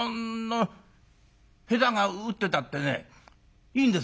下手が打ってたってねいいんです